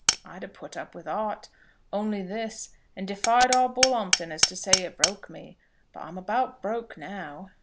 I'd a put up with aught, only this, and defied all Bull'ompton to say as it broke me; but I'm about broke now.